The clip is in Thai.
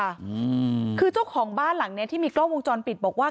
อืมคือเจ้าของบ้านหลังเนี้ยที่มีกล้องวงจรปิดบอกว่า